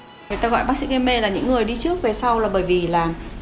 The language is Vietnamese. người ta gọi bác sĩ gây mê là những người đi trước về sau là bởi vì là